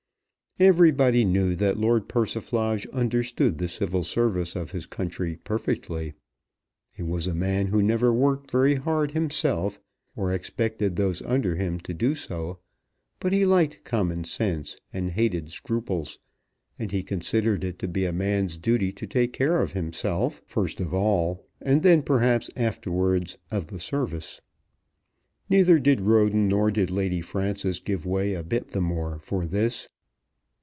Everybody knew that Lord Persiflage understood the Civil Service of his country perfectly. He was a man who never worked very hard himself, or expected those under him to do so; but he liked common sense, and hated scruples, and he considered it to be a man's duty to take care of himself, of himself first of all, and then, perhaps, afterwards, of the Service. Neither did Roden nor did Lady Frances give way a bit the more for this.